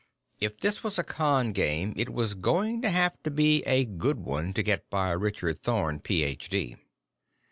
If this was a con game, it was going to have to be a good one to get by Richard Thorn, Ph.D.